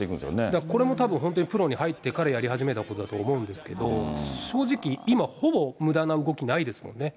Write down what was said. だからこれもたぶん、本当にプロに入ってからやり始めたことだと思うんですけど、正直、今ほぼむだな動きないですよね。